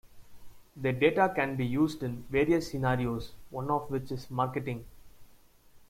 The data can be used in various scenarios, one of which is marketing.